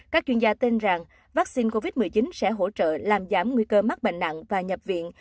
các chuyên gia tin rằng vaccine covid một mươi chín sẽ hỗ trợ làm giảm nguy cơ mắc bệnh nặng và nhập viện